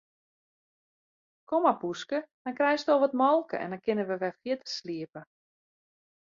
Kom mar poeske, dan krijsto wat molke en dan kinne wy wer fierder sliepe.